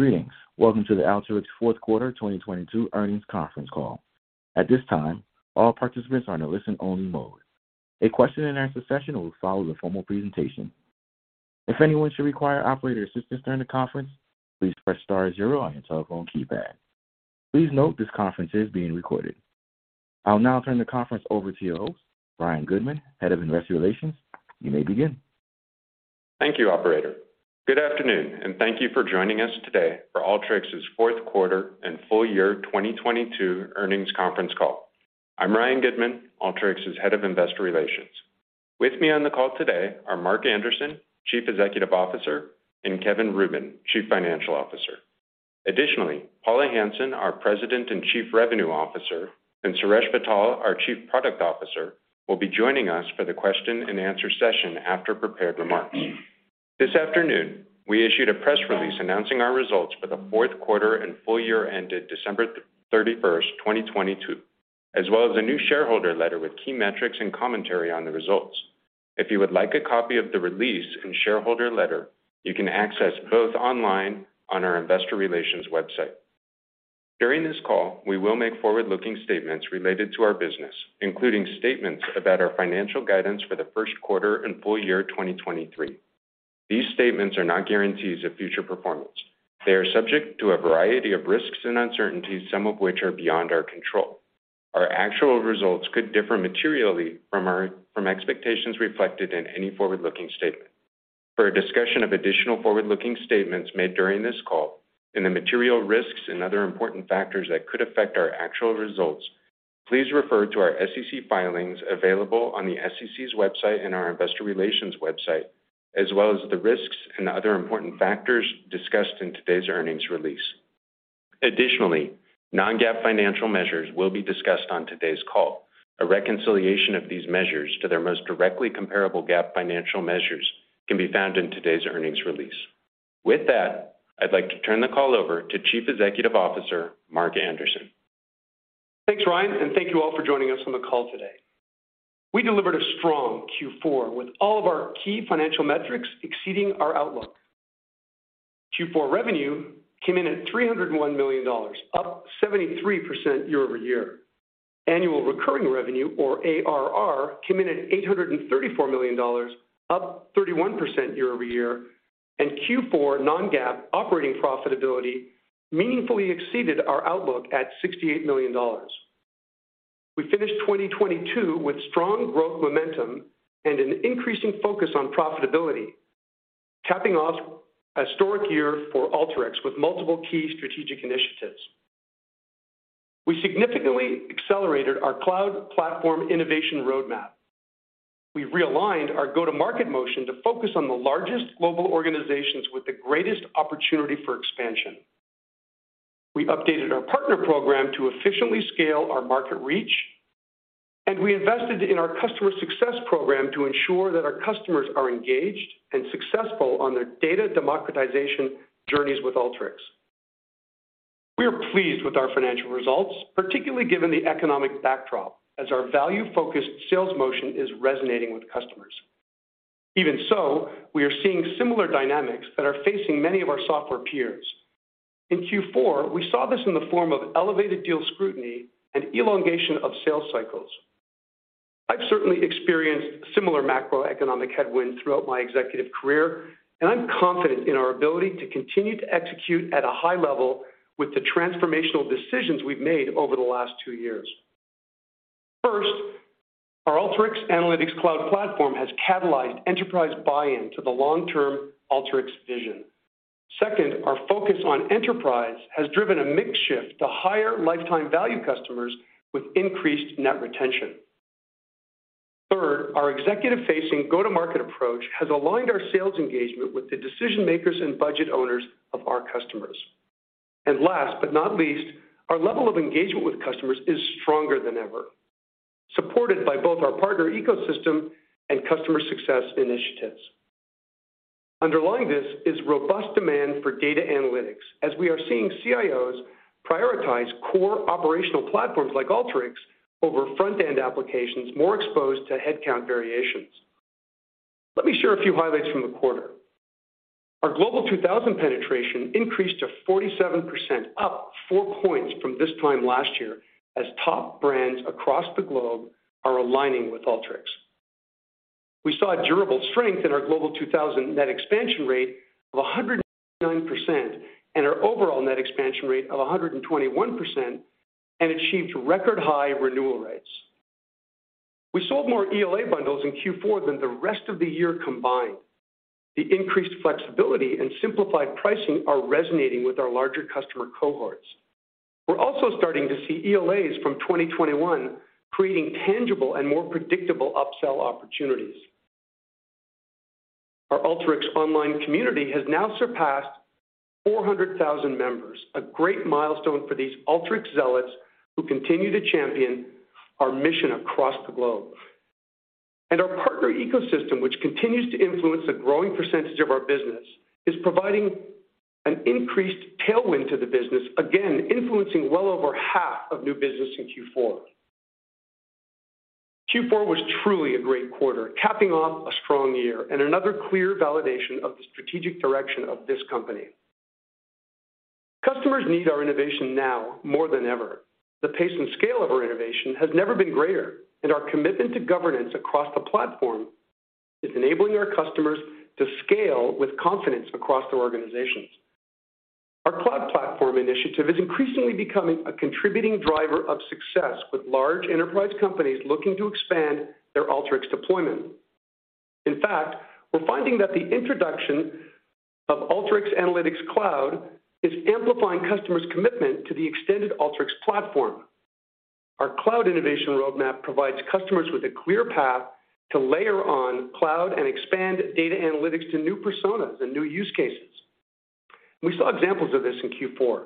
Greetings. Welcome to the Alteryx Fourth Quarter 2022 Earnings Conference Call. At this time, all participants are in a listen-only mode. A question-and-answer session will follow the formal presentation. If anyone should require operator assistance during the conference, please press star zero on your telephone keypad. Please note this conference is being recorded. I'll now turn the conference over to your host, Ryan Goodman, Head of Investor Relations. You may begin. Thank you, operator. Good afternoon, and thank you for joining us today for Alteryx's Fourth Quarter and Full Year 2022 Earnings Conference Call. I'm Ryan Goodman, Alteryx's Head of Investor Relations. With me on the call today are Mark Anderson, Chief Executive Officer, and Kevin Rubin, Chief Financial Officer. Additionally, Paula Hansen, our President and Chief Revenue Officer, and Suresh Vittal, our Chief Product Officer, will be joining us for the question-and-answer session after prepared remarks. This afternoon, we issued a press release announcing our results for the fourth quarter and full year ended December 31st, 2022, as well as a new Shareholder Letter with key metrics and commentary on the results. If you would like a copy of the release and Shareholder Letter, you can access both online on our Investor Relations website. During this call, we will make forward-looking statements related to our business, including statements about our financial guidance for the first quarter and full year 2023. These statements are not guarantees of future performance. They are subject to a variety of risks and uncertainties, some of which are beyond our control. Our actual results could differ materially from expectations reflected in any forward-looking statement. For a discussion of additional forward-looking statements made during this call and the material risks and other important factors that could affect our actual results, please refer to our SEC filings available on the SEC's website and our Investor Relations website, as well as the risks and other important factors discussed in today's earnings release. Non-GAAP financial measures will be discussed on today's call. A reconciliation of these measures to their most directly comparable GAAP financial measures can be found in today's earnings release. With that, I'd like to turn the call over to Chief Executive Officer, Mark Anderson. Thanks, Ryan. Thank you all for joining us on the call today. We delivered a strong Q4 with all of our key financial metrics exceeding our outlook. Q4 revenue came in at $301 million, up 73% year-over-year. Annual recurring revenue or ARR came in at $834 million, up 31% year-over-year. Q4 non-GAAP operating profitability meaningfully exceeded our outlook at $68 million. We finished 2022 with strong growth momentum and an increasing focus on profitability, capping off a historic year for Alteryx with multiple key strategic initiatives. We significantly accelerated our cloud platform innovation roadmap. We realigned our go-to-market motion to focus on the largest global organizations with the greatest opportunity for expansion. We updated our partner program to efficiently scale our market reach, and we invested in our customer success program to ensure that our customers are engaged and successful on their data democratization journeys with Alteryx. We are pleased with our financial results, particularly given the economic backdrop as our value-focused sales motion is resonating with customers. Even so, we are seeing similar dynamics that are facing many of our software peers. In Q4, we saw this in the form of elevated deal scrutiny and elongation of sales cycles. I've certainly experienced similar macroeconomic headwinds throughout my executive career, and I'm confident in our ability to continue to execute at a high level with the transformational decisions we've made over the last two years. First, our Alteryx Analytics Cloud Platform has catalyzed enterprise buy-in to the long-term Alteryx vision. Second, our focus on enterprise has driven a mix shift to higher lifetime value customers with increased net retention. Third, our executive-facing go-to-market approach has aligned our sales engagement with the decision-makers and budget owners of our customers. Last but not least, our level of engagement with customers is stronger than ever, supported by both our partner ecosystem and customer success initiatives. Underlying this is robust demand for data analytics, as we are seeing CIOs prioritize core operational platforms like Alteryx over front-end applications more exposed to headcount variations. Let me share a few highlights from the quarter. Our Global 2000 penetration increased to 47%, up 4 points from this time last year, as top brands across the globe are aligning with Alteryx. We saw durable strength in our Global 2000 net expansion rate of 109% and our overall net expansion rate of 121% and achieved record high renewal rates. We sold more ELA bundles in Q4 than the rest of the year combined. The increased flexibility and simplified pricing are resonating with our larger customer cohorts. We're also starting to see ELAs from 2021 creating tangible and more predictable upsell opportunities. Our Alteryx online community has now surpassed 400,000 members, a great milestone for these Alteryx zealots who continue to champion our mission across the globe. Our partner ecosystem, which continues to influence a growing percentage of our business, is providing an increased tailwind to the business, again, influencing well over half of new business in Q4. Q4 was truly a great quarter, capping off a strong year and another clear validation of the strategic direction of this company. Customers need our innovation now more than ever. The pace and scale of our innovation has never been greater, our commitment to governance across the platform is enabling our customers to scale with confidence across their organizations. Our cloud platform initiative is increasingly becoming a contributing driver of success with large enterprise companies looking to expand their Alteryx deployment. In fact, we're finding that the introduction of Alteryx Analytics Cloud is amplifying customers' commitment to the extended Alteryx platform. Our cloud innovation roadmap provides customers with a clear path to layer on cloud and expand data analytics to new personas and new use cases. We saw examples of this in Q4.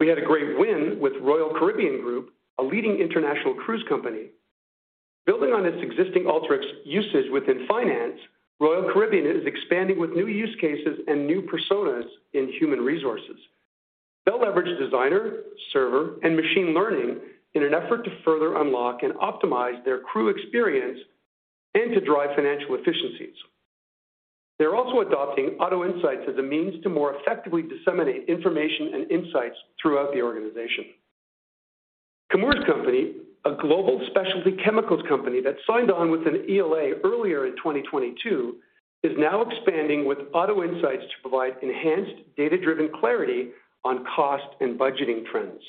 We had a great win with Royal Caribbean Group, a leading international cruise company. Building on its existing Alteryx usage within finance, Royal Caribbean is expanding with new use cases and new personas in human resources. They'll leverage Designer, Server, and Machine Learning in an effort to further unlock and optimize their crew experience and to drive financial efficiencies. They're also adopting Auto Insights as a means to more effectively disseminate information and insights throughout the organization. Chemours Company, a global specialty chemicals company that signed on with an ELA earlier in 2022, is now expanding with Auto Insights to provide enhanced data-driven clarity on cost and budgeting trends.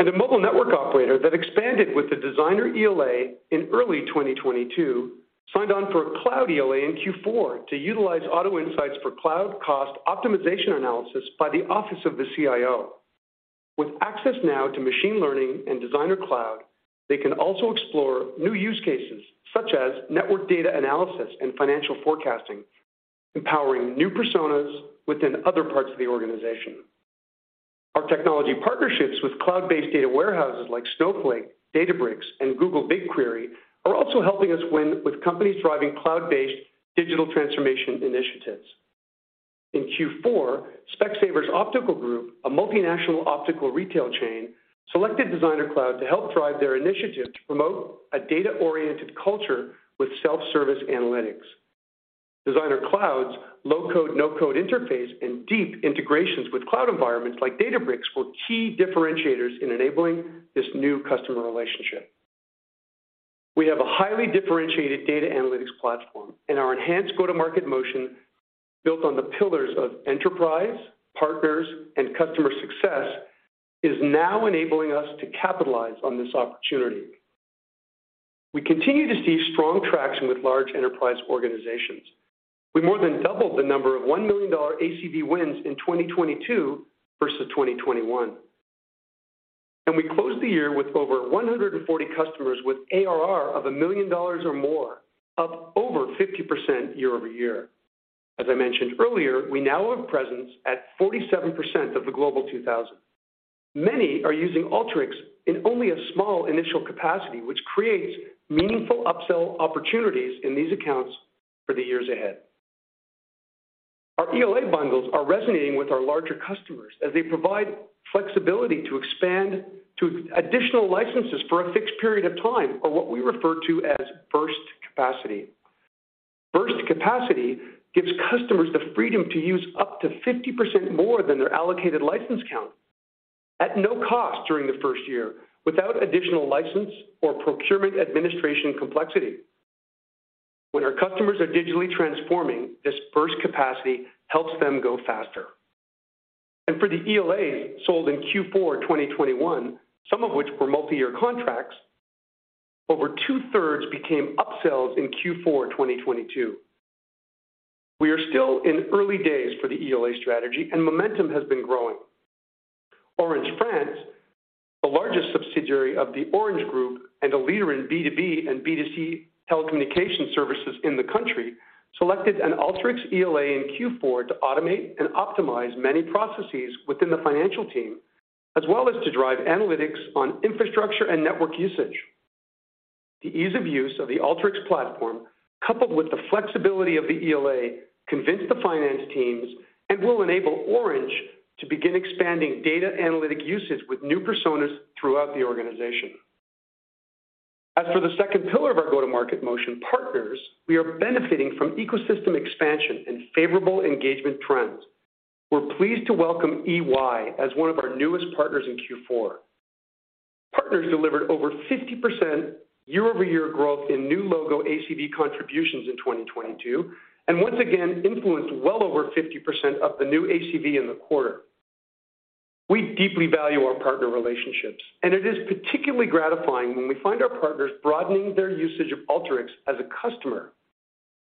A mobile network operator that expanded with the Designer ELA in early 2022 signed on for a cloud ELA in Q4 to utilize Auto Insights for cloud cost optimization analysis by the office of the CIO. With access now to Machine Learning and Designer Cloud, they can also explore new use cases such as network data analysis and financial forecasting, empowering new personas within other parts of the organization. Our technology partnerships with cloud-based data warehouses like Snowflake, Databricks, and Google BigQuery are also helping us win with companies driving cloud-based digital transformation initiatives. In Q4, Specsavers Optical Group, a multinational optical retail chain, selected Designer Cloud to help drive their initiative to promote a data-oriented culture with self-service analytics. Designer Cloud's low-code, no-code interface in deep integrations with cloud environments like Databricks were key differentiators in enabling this new customer relationship. We have a highly differentiated data analytics platform, and our enhanced go-to-market motion, built on the pillars of enterprise, partners, and customer success, is now enabling us to capitalize on this opportunity. We continue to see strong traction with large enterprise organizations. We more than doubled the number of $1 million ACV wins in 2022 versus 2021. We closed the year with over 140 customers with ARR of $1 million or more, up over 50% year over year. As I mentioned earlier, we now have presence at 47% of the Global 2000. Many are using Alteryx in only a small initial capacity, which creates meaningful upsell opportunities in these accounts for the years ahead. Our ELA bundles are resonating with our larger customers as they provide flexibility to expand to additional licenses for a fixed period of time, or what we refer to as burst capacity. Burst capacity gives customers the freedom to use up to 50% more than their allocated license count at no cost during the first year without additional license or procurement administration complexity. When our customers are digitally transforming, this burst capacity helps them go faster. For the ELAs sold in Q4 2021, some of which were multi-year contracts, over 2/3 became upsells in Q4 2022. We are still in early days for the ELA strategy, and momentum has been growing. Orange France, the largest subsidiary of the Orange Group and a leader in B2B and B2C telecommunication services in the country, selected an Alteryx ELA in Q4 to automate and optimize many processes within the financial team, as well as to drive analytics on infrastructure and network usage. The ease of use of the Alteryx platform, coupled with the flexibility of the ELA, convinced the finance teams and will enable Orange to begin expanding data analytic usage with new personas throughout the organization. The second pillar of our go-to-market motion, partners, we are benefiting from ecosystem expansion and favorable engagement trends. We're pleased to welcome EY as one of our newest partners in Q4. Partners delivered over 50% year-over-year growth in new logo ACV contributions in 2022, and once again influenced well over 50% of the new ACV in the quarter. We deeply value our partner relationships, and it is particularly gratifying when we find our partners broadening their usage of Alteryx as a customer.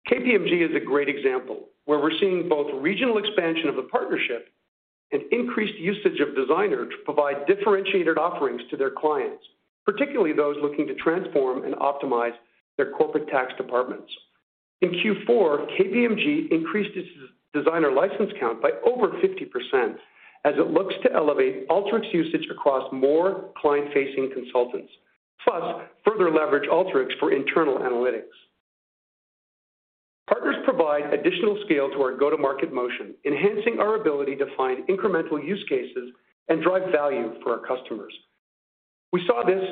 KPMG is a great example, where we're seeing both regional expansion of the partnership and increased usage of Designer to provide differentiated offerings to their clients, particularly those looking to transform and optimize their corporate tax departments. In Q4, KPMG increased its Designer license count by over 50% as it looks to elevate Alteryx usage across more client-facing consultants, plus further leverage Alteryx for internal analytics. Partners provide additional scale to our go-to-market motion, enhancing our ability to find incremental use cases and drive value for our customers. We saw this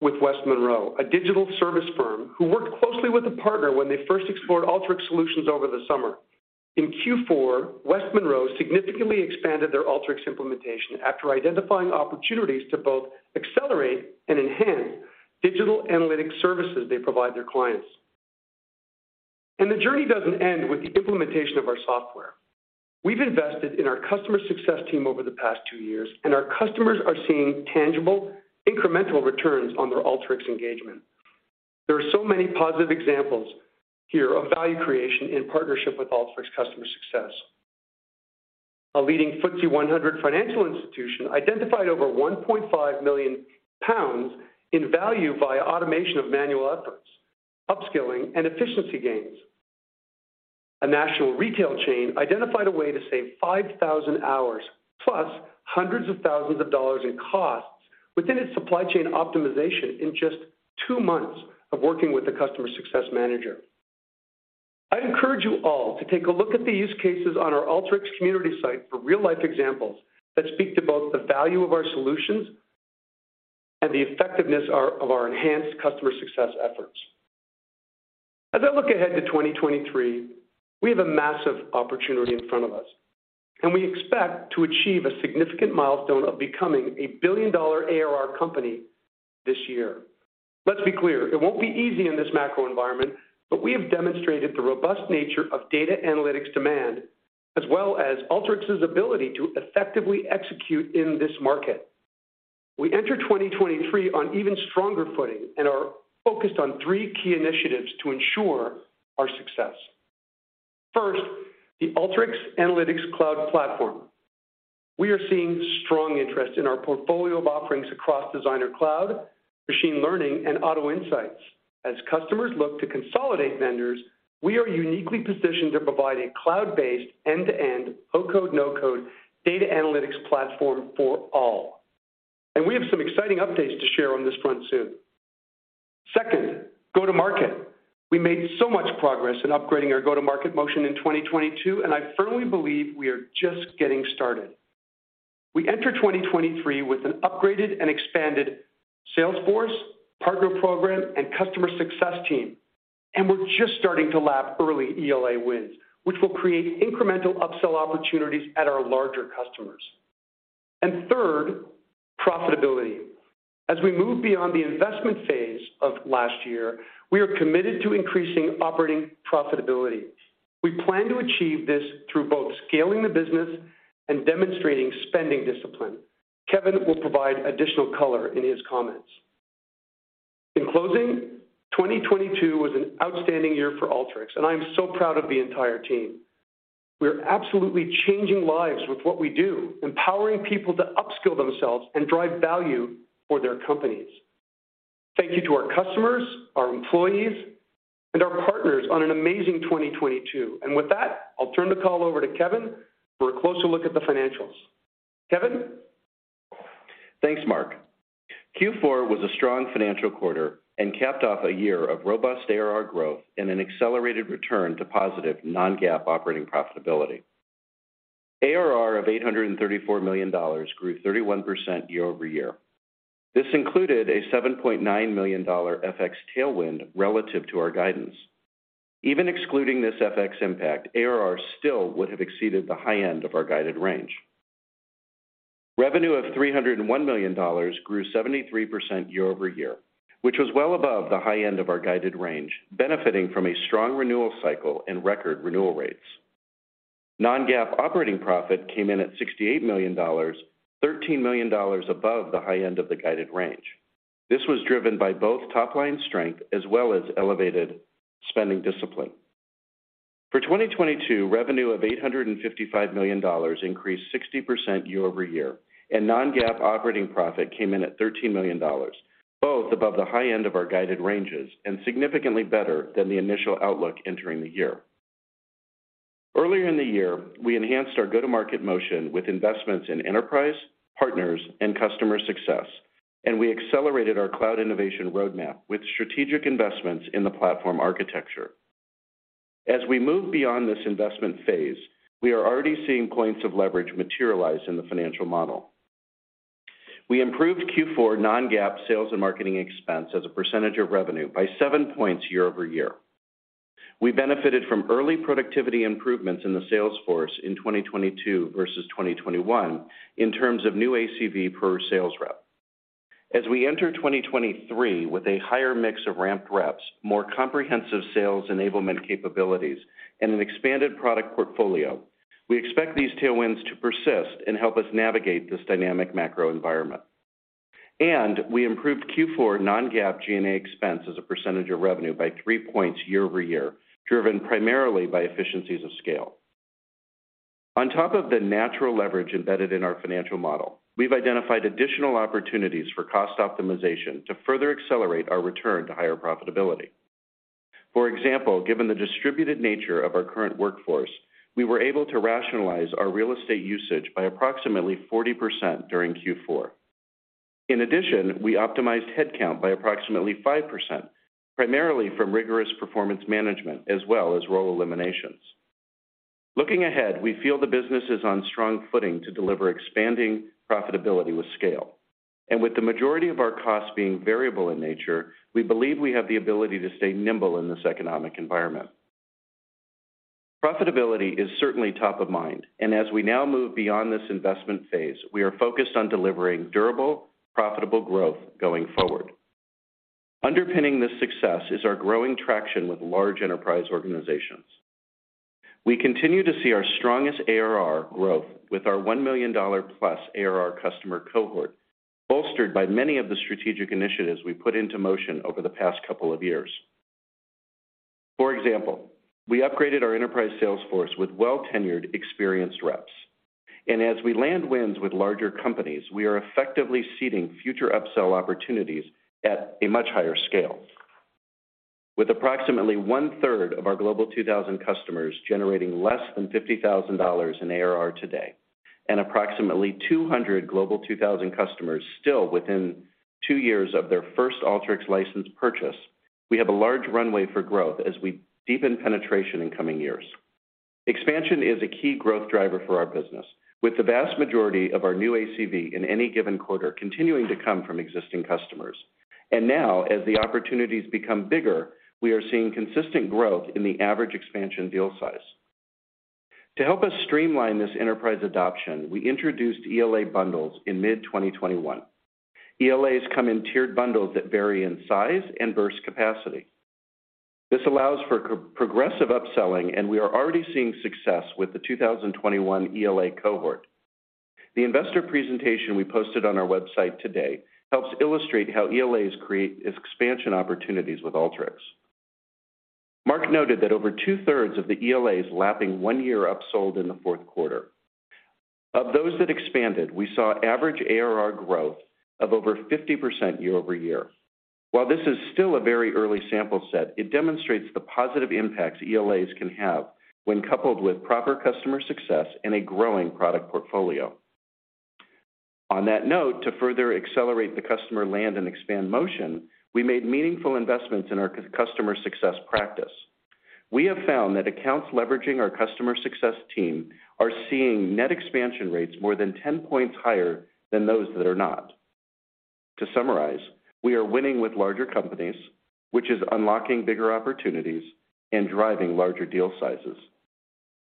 with West Monroe, a digital service firm who worked closely with a partner when they first explored Alteryx solutions over the summer. In Q4, West Monroe significantly expanded their Alteryx implementation after identifying opportunities to both accelerate and enhance digital analytics services they provide their clients. The journey doesn't end with the implementation of our software. We've invested in our customer success team over the past two years, and our customers are seeing tangible, incremental returns on their Alteryx engagement. There are so many positive examples here of value creation in partnership with Alteryx customer success. A leading FTSE 100 financial institution identified over 1.5 million pounds in value via automation of manual efforts, upskilling, and efficiency gains. A national retail chain identified a way to save 5,000 hours+ hundreds of thousands of dollars in costs within its supply chain optimization in just two months of working with a customer success manager. I encourage you all to take a look at the use cases on our Alteryx community site for real-life examples that speak to both the value of our solutions and the effectiveness of our enhanced customer success efforts. As I look ahead to 2023, we have a massive opportunity in front of us, we expect to achieve a significant milestone of becoming a $1 billion ARR company this year. Let's be clear, it won't be easy in this macro environment, we have demonstrated the robust nature of data analytics demand as well as Alteryx's ability to effectively execute in this market. We enter 2023 on even stronger footing and are focused on three key initiatives to ensure our success. First, the Alteryx Analytics Cloud Platform. We are seeing strong interest in our portfolio of offerings across Designer Cloud, Machine Learning, and Auto Insights. As customers look to consolidate vendors, we are uniquely positioned to provide a cloud-based end-to-end, low-code, no-code data analytics platform for all. We have some exciting updates to share on this front soon. Second, go-to-market. We made so much progress in upgrading our go-to-market motion in 2022, and I firmly believe we are just getting started. We enter 2023 with an upgraded and expanded sales force, partner program, and customer success team, and we're just starting to lap early ELA wins, which will create incremental upsell opportunities at our larger customers. Third, profitability. As we move beyond the investment phase of last year, we are committed to increasing operating profitability. We plan to achieve this through both scaling the business and demonstrating spending discipline. Kevin will provide additional color in his comments. In closing, 2022 was an outstanding year for Alteryx, and I am so proud of the entire team. We are absolutely changing lives with what we do, empowering people to upskill themselves and drive value for their companies. Thank you to our customers, our employees, and our partners on an amazing 2022. With that, I'll turn the call over to Kevin for a closer look at the financials. Kevin? Thanks, Mark. Q4 was a strong financial quarter and capped off a year of robust ARR growth and an accelerated return to positive non-GAAP operating profitability. ARR of $834 million grew 31% year-over-year. This included a $7.9 million FX tailwind relative to our guidance. Even excluding this FX impact, ARR still would have exceeded the high end of our guided range. Revenue of $301 million grew 73% year-over-year, which was well above the high end of our guided range, benefiting from a strong renewal cycle and record renewal rates. Non-GAAP operating profit came in at $68 million, $13 million above the high end of the guided range. This was driven by both top-line strength as well as elevated spending discipline. For 2022, revenue of $855 million increased 60% year-over-year. Non-GAAP operating profit came in at $13 million, both above the high end of our guided ranges and significantly better than the initial outlook entering the year. Earlier in the year, we enhanced our go-to-market motion with investments in enterprise, partners, and customer success. We accelerated our cloud innovation roadmap with strategic investments in the platform architecture. As we move beyond this investment phase, we are already seeing points of leverage materialize in the financial model. We improved Q4 non-GAAP sales and marketing expense as a percentage of revenue by 7 points year-over-year. We benefited from early productivity improvements in the sales force in 2022 versus 2021 in terms of new ACV per sales rep. As we enter 2023 with a higher mix of ramped reps, more comprehensive sales enablement capabilities, and an expanded product portfolio, we expect these tailwinds to persist and help us navigate this dynamic macro environment. We improved Q4 non-GAAP G&A expense as a percentage of revenue by 3 points year-over-year, driven primarily by efficiencies of scale. On top of the natural leverage embedded in our financial model, we've identified additional opportunities for cost optimization to further accelerate our return to higher profitability. For example, given the distributed nature of our current workforce, we were able to rationalize our real estate usage by approximately 40% during Q4. In addition, we optimized headcount by approximately 5%, primarily from rigorous performance management as well as role eliminations. Looking ahead, we feel the business is on strong footing to deliver expanding profitability with scale. With the majority of our costs being variable in nature, we believe we have the ability to stay nimble in this economic environment. Profitability is certainly top of mind, and as we now move beyond this investment phase, we are focused on delivering durable, profitable growth going forward. Underpinning this success is our growing traction with large enterprise organizations. We continue to see our strongest ARR growth with our $1 million plus ARR customer cohort, bolstered by many of the strategic initiatives we put into motion over the past couple of years. For example, we upgraded our enterprise sales force with well-tenured, experienced reps. As we land wins with larger companies, we are effectively seeding future upsell opportunities at a much higher scale. With approximately 1/3 of our Global 2000 customers generating less than $50,000 in ARR today and approximately 200 Global 2000 customers still within 2 years of their first Alteryx license purchase, we have a large runway for growth as we deepen penetration in coming years. Expansion is a key growth driver for our business, with the vast majority of our new ACV in any given quarter continuing to come from existing customers. Now, as the opportunities become bigger, we are seeing consistent growth in the average expansion deal size. To help us streamline this enterprise adoption, we introduced ELA bundles in mid-2021. ELAs come in tiered bundles that vary in size and burst capacity. This allows for progressive upselling, we are already seeing success with the 2021 ELA cohort. The investor presentation we posted on our website today helps illustrate how ELAs create expansion opportunities with Alteryx. Mark noted that over 2/3 of the ELAs lapping 1 year upsold in the fourth quarter. Of those that expanded, we saw average ARR growth of over 50% year-over-year. While this is still a very early sample set, it demonstrates the positive impacts ELAs can have when coupled with proper customer success and a growing product portfolio. On that note, to further accelerate the customer land and expand motion, we made meaningful investments in our customer success practice. We have found that accounts leveraging our customer success team are seeing net expansion rates more than 10 points higher than those that are not. To summarize, we are winning with larger companies, which is unlocking bigger opportunities and driving larger deal sizes.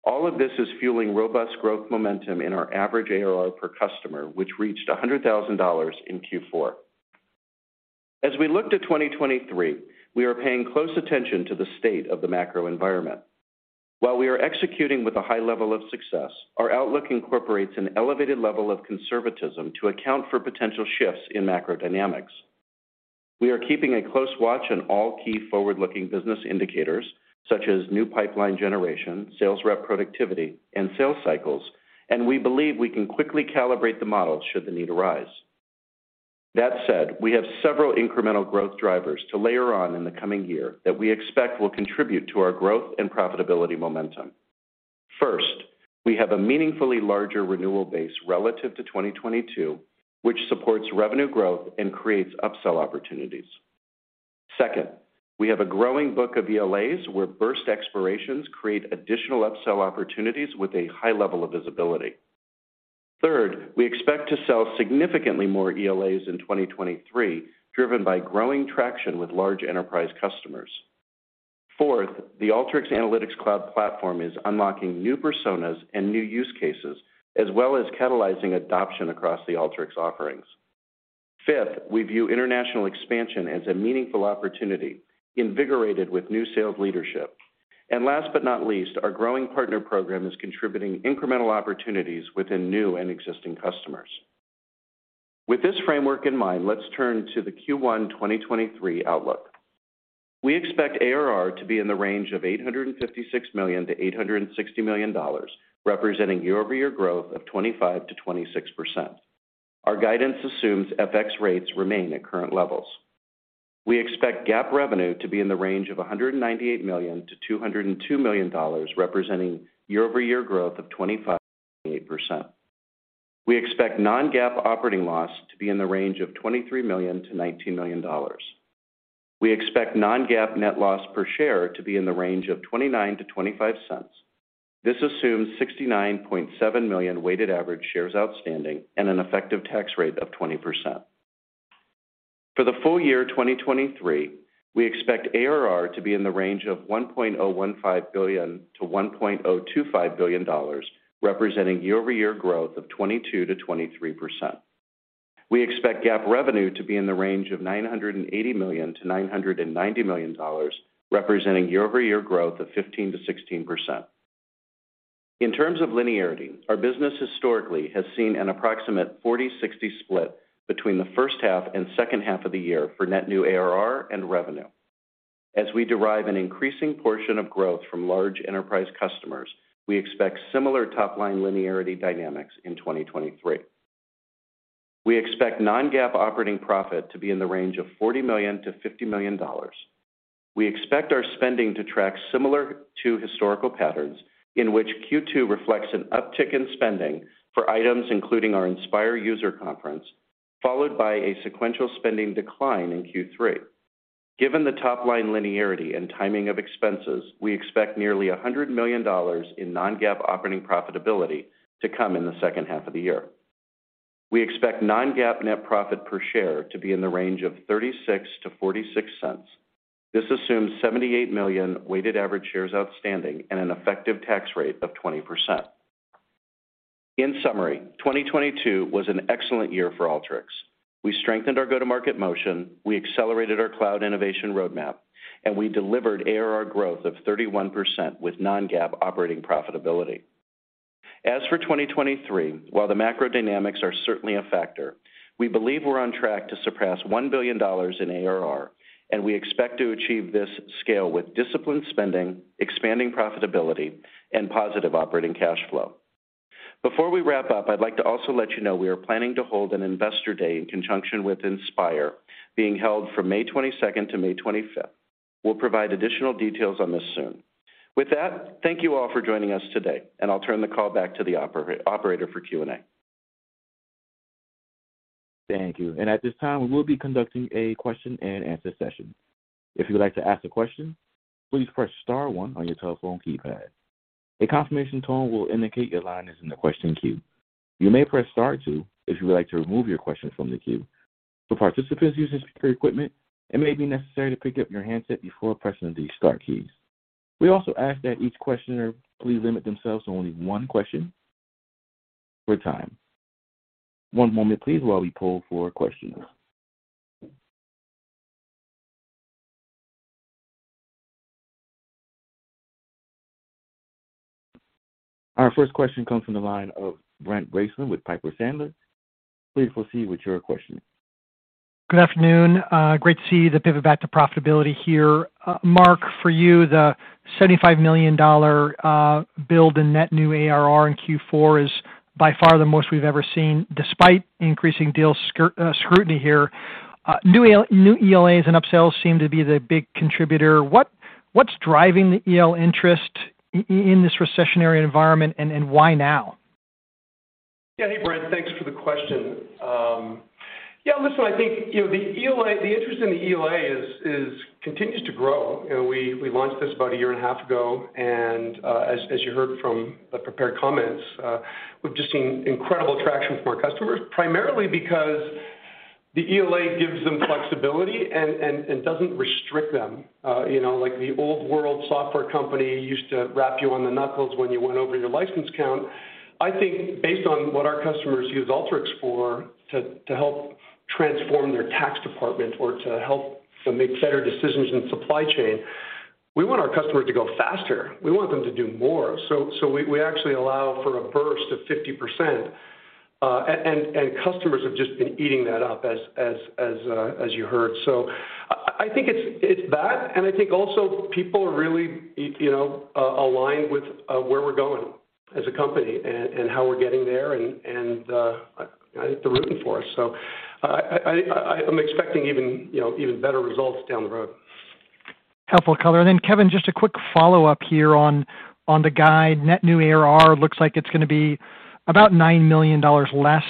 All of this is fueling robust growth momentum in our average ARR per customer, which reached $100,000 in Q4. As we look to 2023, we are paying close attention to the state of the macro environment. While we are executing with a high level of success, our outlook incorporates an elevated level of conservatism to account for potential shifts in macro dynamics. We are keeping a close watch on all key forward-looking business indicators, such as new pipeline generation, sales rep productivity, and sales cycles, and we believe we can quickly calibrate the model should the need arise. That said, we have several incremental growth drivers to layer on in the coming year that we expect will contribute to our growth and profitability momentum. First, we have a meaningfully larger renewal base relative to 2022, which supports revenue growth and creates upsell opportunities. Second, we have a growing book of ELAs where burst expirations create additional upsell opportunities with a high level of visibility. Third, we expect to sell significantly more ELAs in 2023, driven by growing traction with large enterprise customers. Fourth, the Alteryx Analytics Cloud Platform is unlocking new personas and new use cases, as well as catalyzing adoption across the Alteryx offerings. Fifth, we view international expansion as a meaningful opportunity, invigorated with new sales leadership. Last but not least, our growing partner program is contributing incremental opportunities within new and existing customers. With this framework in mind, let's turn to the Q1 2023 outlook. We expect ARR to be in the range of $856 million to $860 million, representing year-over-year growth of 25%-26%. Our guidance assumes FX rates remain at current levels. We expect GAAP revenue to be in the range of $198 million to $202 million, representing year-over-year growth of 25%-28%. We expect non-GAAP operating loss to be in the range of $23 million to $19 million. We expect non-GAAP net loss per share to be in the range of $0.29-$0.25. This assumes 69.7 million weighted average shares outstanding and an effective tax rate of 20%. For the full year 2023, we expect ARR to be in the range of $1.015 billion to $1.025 billion, representing year-over-year growth of 22%-23%. We expect GAAP revenue to be in the range of $980 million to $990 million, representing year-over-year growth of 15%-16%. In terms of linearity, our business historically has seen an approximate 40/60 split between the first half and second half of the year for net new ARR and revenue. As we derive an increasing portion of growth from large enterprise customers, we expect similar top-line linearity dynamics in 2023. We expect non-GAAP operating profit to be in the range of $40 million to $50 million. We expect our spending to track similar to historical patterns, in which Q2 reflects an uptick in spending for items including our Inspire user conference, followed by a sequential spending decline in Q3. Given the top-line linearity and timing of expenses, we expect nearly $100 million in non-GAAP operating profitability to come in the second half of the year. We expect non-GAAP net profit per share to be in the range of $0.36-$0.46. This assumes $78 million weighted average shares outstanding and an effective tax rate of 20%. In summary, 2022 was an excellent year for Alteryx. We strengthened our go-to-market motion, we accelerated our cloud innovation roadmap, and we delivered ARR growth of 31% with non-GAAP operating profitability. As for 2023, while the macro dynamics are certainly a factor, we believe we're on track to surpass $1 billion in ARR, and we expect to achieve this scale with disciplined spending, expanding profitability, and positive operating cash flow. Before we wrap up, I'd like to also let you know we are planning to hold an Investor Day in conjunction with Inspire being held from May 22nd to May 25th. We'll provide additional details on this soon. With that, thank you all for joining us today, and I'll turn the call back to the operator for Q&A. Thank you. At this time, we will be conducting a question-and-answer session. If you would like to ask a question, please press star one on your telephone keypad. A confirmation tone will indicate your line is in the question queue. You may press star two if you would like to remove your question from the queue. For participants using speaker equipment, it may be necessary to pick up your handset before pressing these star keys. We also ask that each questioner please limit themselves to only one question for time. One moment, please, while we pull for questions. Our first question comes from the line of Brent Bracelin with Piper Sandler. Please proceed with your question. Good afternoon. Great to see the pivot back to profitability here. Mark, for you, the $75 million build in net new ARR in Q4 is by far the most we've ever seen, despite increasing deal scrutiny here. New ELAs and upsells seem to be the big contributor. What's driving the ELA interest in this recessionary environment, and why now? Hey, Brent. Thanks for the question. Listen, the ELA, the interest in the ELA is continues to grow. We launched this about a year and a half ago, as you heard from the prepared comments, we've just seen incredible traction from our customers, primarily because the ELA gives them flexibility and doesn't restrict them. Like the old world software company used to wrap you on the knuckles when you went over your license count. I think based on what our customers use Alteryx for, to help transform their tax department or to help them make better decisions in supply chain, we want our customer to go faster. We want them to do more. We actually allow for a burst of 50%, and customers have just been eating that up as you heard. I think it's that, and I think also people are really, you know, aligned with where we're going as a company and how we're getting there, and I think they're rooting for us. I think I'm expecting even, you know, even better results down the road. Helpful color. Kevin, just a quick follow-up here on the guide. Net new ARR looks like it's gonna be about $9 million less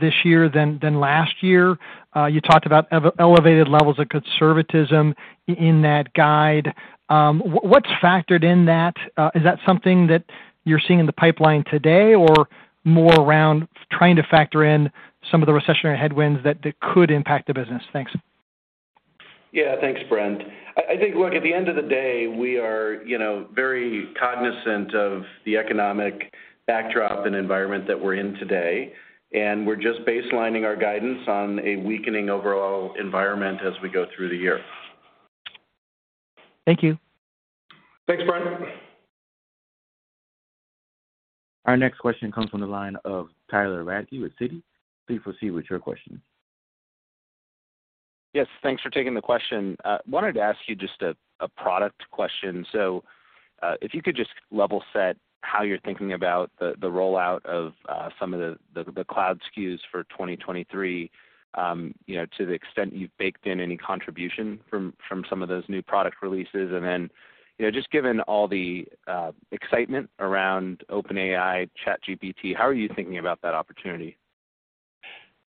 this year than last year. You talked about elevated levels of conservatism in that guide. What's factored in that? Is that something that you're seeing in the pipeline today, or more around trying to factor in some of the recessionary headwinds that could impact the business? Thanks. Thanks, Brent. Look, at the end of the day, we are very cognizant of the economic backdrop and environment that we're in today. We're just baselining our guidance on a weakening overall environment as we go through the year. Thank you. Thanks, Brent. Our next question comes from the line of Tyler Radke with Citi. Please proceed with your question. Yes. Thanks for taking the question. Wanted to ask you just a product question. If you could just level set how you're thinking about the rollout of some of the cloud SKUs for 2023, you know, to the extent you've baked in any contribution from some of those new product releases. You know, just given all the excitement around OpenAI, ChatGPT, how are you thinking about that opportunity?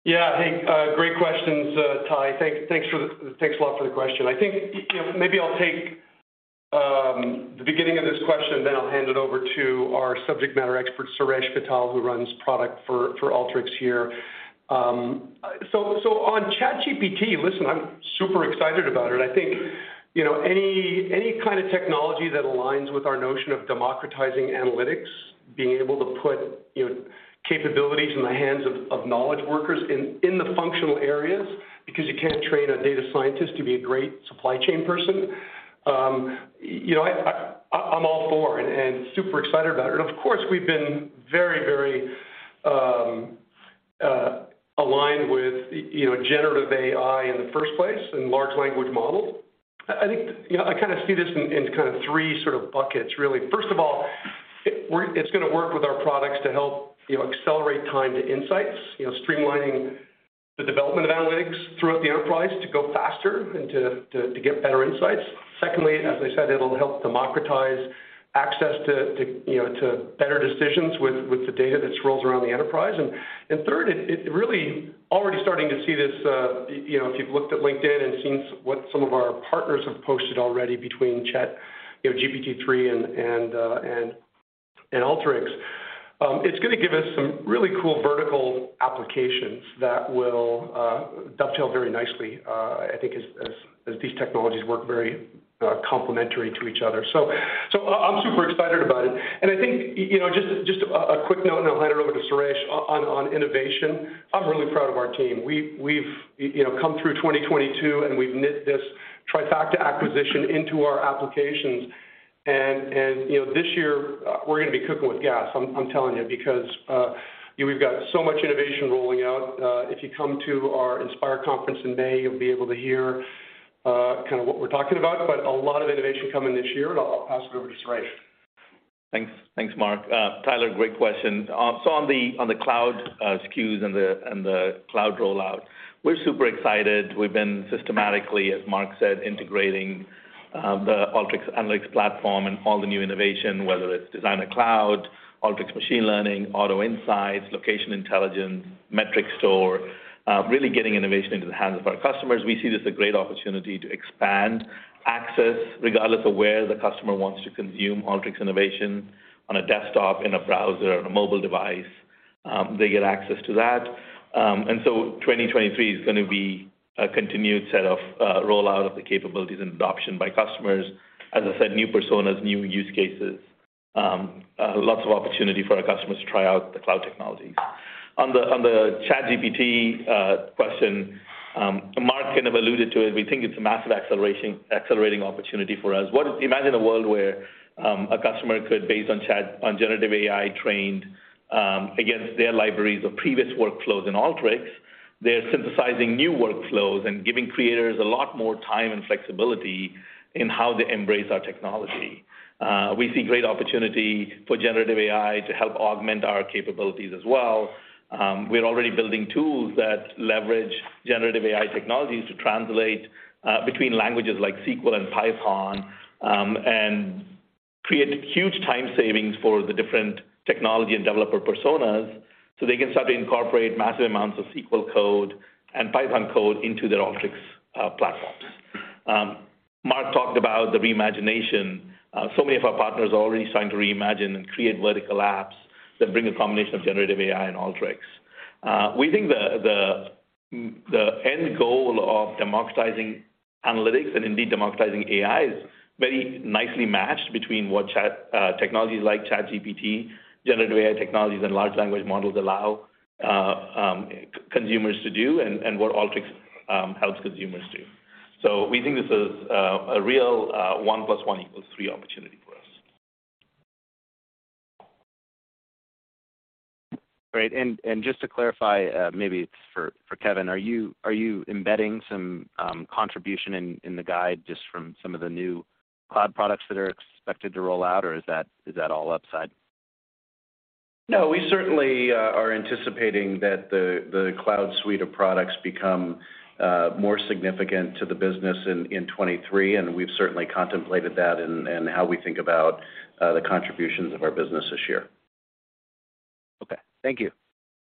Hey, great questions, Ty. Thanks a lot for the question. I think maybe I'll take the beginning of this question, I'll hand it over to our subject matter expert, Suresh Vittal, who runs product for Alteryx here. On ChatGPT, listen, I'm super excited about it. I think, you know, any kind of technology that aligns with our notion of democratizing analytics, being able to put, you know, capabilities in the hands of knowledge workers in the functional areas, because you can't train a data scientist to be a great supply chain person. You know, I'm all for it and super excited about it. Of course, we've been very aligned with, you know, generative AI in the first place and large language models. I think, you know, I see this in kind of three sort of buckets really. First of all, it's gonna work with our products to help, you know, accelerate time to insights, you know, streamlining the development of analytics throughout the enterprise to go faster and to get better insights. Secondly, as I said, it'll help democratize access to, you know, to better decisions with the data that rolls around the enterprise. Third, it really already starting to see this, you know, if you've looked at LinkedIn and seen what some of our partners have posted already between ChatGPT, you know, GPT-3 and Alteryx. It's gonna give us some really cool vertical applications that will dovetail very nicely, I think as, as these technologies work very complementary to each other. I'm super excited about it. I think, you know, just a quick note, and I'll hand it over to Suresh on innovation. I'm really proud of our team. We've, you know, come through 2022, and we've knit this Trifacta acquisition into our applications. You know, this year, we're gonna be cooking with gas, I'm telling you, because we've got so much innovation rolling out. If you come to our Inspire conference in May, you'll be able to hear kind of what we're talking about, but a lot of innovation coming this year. I'll pass it over to Suresh. Thanks, Mark. Tyler, great question. On the cloud SKUs and the cloud rollout, we're super excited. We've been systematically, as Mark said, integrating the Alteryx Analytics Platform and all the new innovation, whether it's Designer Cloud, Alteryx Machine Learning, Auto Insights, Location Intelligence, Metrics Store, really getting innovation into the hands of our customers. We see this as a great opportunity to expand access regardless of where the customer wants to consume Alteryx innovation on a desktop, in a browser, on a mobile device, they get access to that. 2023 is gonna be a continued set of rollout of the capabilities and adoption by customers. As I said, new personas, new use cases, lots of opportunity for our customers to try out the cloud technologies. On the ChatGPT question, Mark kind of alluded to it. We think it's a massive accelerating opportunity for us. Imagine a world where a customer could, based on generative AI trained against their libraries of previous workflows in Alteryx, they're synthesizing new workflows and giving creators a lot more time and flexibility in how they embrace our technology. We see great opportunity for generative AI to help augment our capabilities as well. We're already building tools that leverage generative AI technologies to translate between languages like SQL and Python and create huge time savings for the different technology and developer personas, so they can start to incorporate massive amounts of SQL code and Python code into their Alteryx platforms. Mark talked about the reimagination. Many of our partners are already starting to reimagine and create vertical apps that bring a combination of generative AI and Alteryx. We think the end goal of democratizing analytics and indeed democratizing AI is very nicely matched between what technologies like ChatGPT, generative AI technologies, and large language models allow consumers to do and what Alteryx helps consumers do. We think this is a real 1 + 1 = 3 opportunity for us. Great. Just to clarify, maybe it's for Kevin, are you embedding some contribution in the guide just from some of the new cloud products that are expected to roll out, or is that all upside? No, we certainly are anticipating that the cloud suite of products become more significant to the business in 2023, and we've certainly contemplated that in how we think about the contributions of our business this year. Okay. Thank you.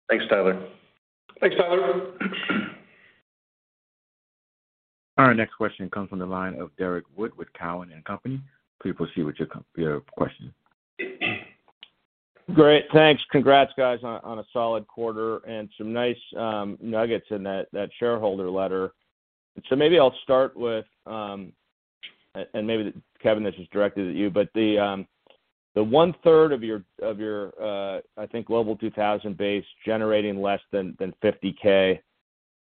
Thanks, Tyler. Thanks, Tyler. Our next question comes from the line of Derrick Wood with Cowen & Company. Please proceed with your question. Great. Thanks. Congrats, guys, on a solid quarter and some nice nuggets in that Shareholder Letter. Maybe I'll start with and maybe Kevin, this is directed at you, but the 1/3 of your Global 2000 base generating less than 50K,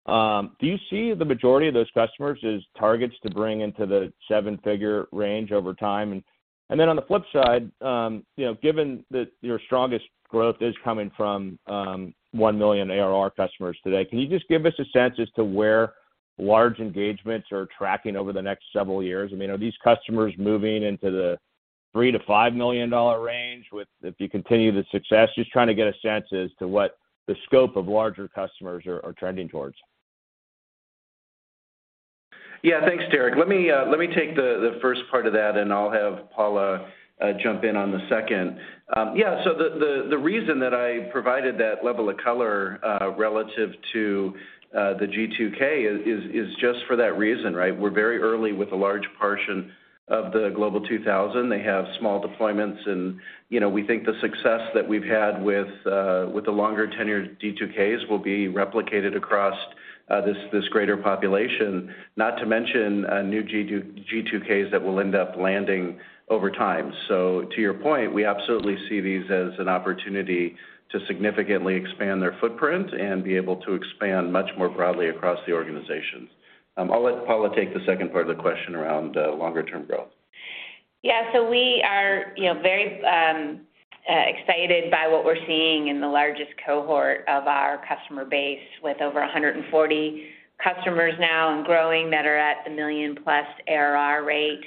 do you see the majority of those customers as targets to bring into the seven-figure range over time? Then on the flip side, you know, given that your strongest growth is coming from $1 million ARR customers today, can you just give us a sense as to where large engagements are tracking over the next several years? I mean, are these customers moving into the $3 million to $5 million range if you continue the success? Just trying to get a sense as to what the scope of larger customers are trending towards. Thanks, Derrick. Let me take the first part of that, and I'll have Paula jump in on the second. The reason that I provided that level of color relative to the G2K is just for that reason, right? We're very early with a large portion of the Global 2000. They have small deployments, and, you know, we think the success that we've had with the longer tenure G2Ks will be replicated across this greater population, not to mention new G2Ks that will end up landing over time. To your point, we absolutely see these as an opportunity to significantly expand their footprint and be able to expand much more broadly across the organizations. I'll let Paula take the second part of the question around longer term growth. Yeah. We are, you know, very excited by what we're seeing in the largest cohort of our customer base with over 140 customers now and growing that are at the million+ ARR rate.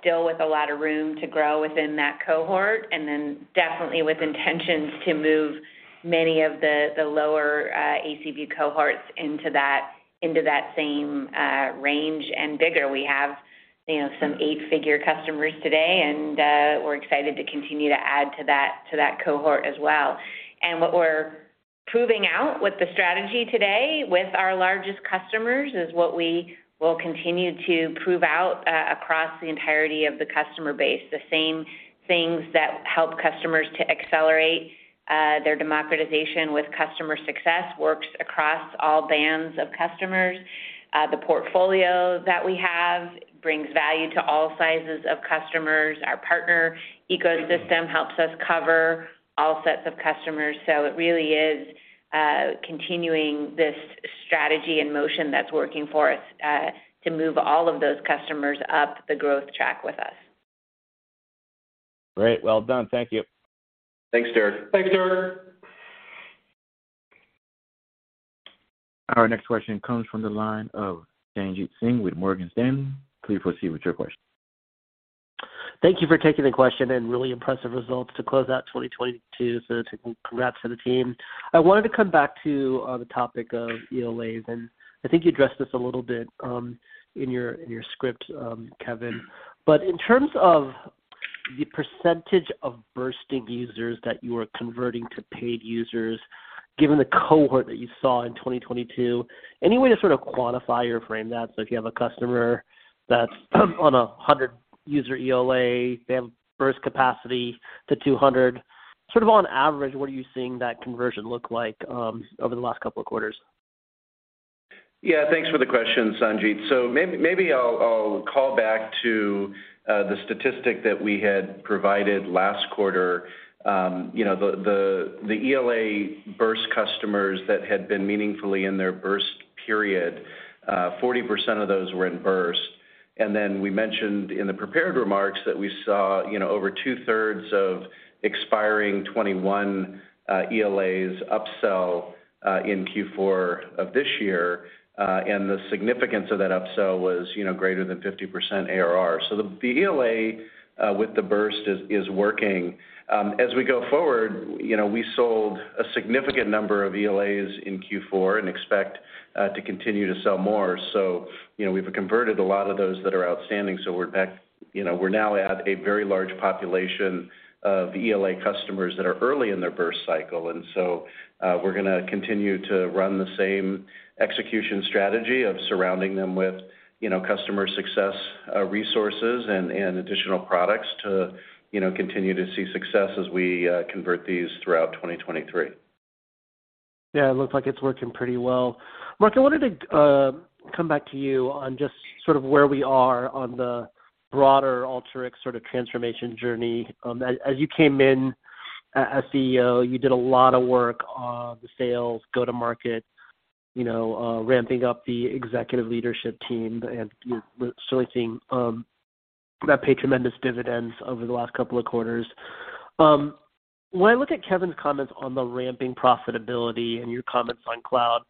Still with a lot of room to grow within that cohort, and then definitely with intentions to move many of the lower ACV cohorts into that, into that same range and bigger. We have, you know, some eight-figure customers today, and we're excited to continue to add to that, to that cohort as well. What we're proving out with the strategy today with our largest customers is what we will continue to prove out across the entirety of the customer base. The same things that help customers to accelerate their democratization with customer success works across all bands of customers. The portfolio that we have brings value to all sizes of customers. Our partner ecosystem helps us cover all sets of customers. It really is continuing this strategy and motion that's working for us, to move all of those customers up the growth track with us. Great. Well done. Thank you. Thanks, Derrick Thanks, Derrick. Our next question comes from the line of Sanjit Singh with Morgan Stanley. Please proceed with your question. Thank you for taking the question. Really impressive results to close out 2022. Congrats to the team. I wanted to come back to the topic of ELAs, and I think you addressed this a little bit in your, in your script, Kevin. In terms of the percentage of bursting users that you are converting to paid users, given the cohort that you saw in 2022, any way to sort of quantify or frame that? If you have a customer that's on a 100 user ELA, they have burst capacity to 200, sort of on average, what are you seeing that conversion look like over the last couple of quarters? Thanks for the question, Sanjit. Maybe I'll call back to the statistic that we had provided last quarter. You know, the ELA burst customers that had been meaningfully in their burst period, 40% of those were in burst. We mentioned in the prepared remarks that we saw over 2/3 of expiring 21 EOLAs upsell in Q4 of this year. The significance of that upsell was greater than 50% ARR. The ELA with the burst is working. As we go forward we sold a significant number of EOLAs in Q4 and expect to continue to sell more. We've converted a lot of those that are outstanding. We're now at a very large population of ELA customers that are early in their burst cycle. We're gonna continue to run the same execution strategy of surrounding them with, you know, customer success resources and additional products to, you know, continue to see success as we convert these throughout 2023. It looks like it's working pretty well. Mark, I wanted to come back to you on just sort of where we are on the broader Alteryx sort of transformation journey. As you came in as CEO, you did a lot of work on the sales, go-to-market, you know, ramping up the executive leadership team, we're seeing that pay tremendous dividends over the last two quarters. When I look at Kevin's comments on the ramping profitability and your comments on cloud,